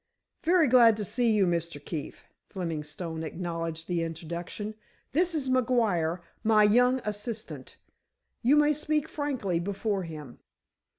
"Very glad to see you, Mr. Keefe," Fleming Stone acknowledged the introduction. "This is McGuire, my young assistant. You may speak frankly before him."